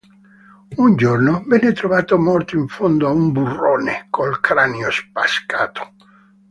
Un giorno venne trovato morto in fondo a un burrone, col cranio spaccato.